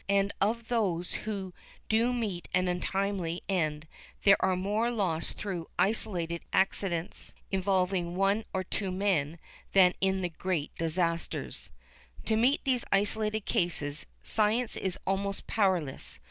And of those who do meet an untimely end there are more lost through isolated accidents, involving one or two men, than in the great disasters. To meet these isolated cases science is almost powerless.